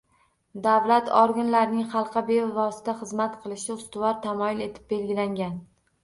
Davlat organlarining xalqqa bevosita xizmat qilishi ustuvor tamoyil etib belgilangan